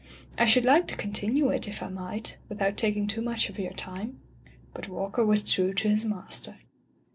I should like to continue it, if I might, without taking too much of your time.'* But Walker was true to Kis master.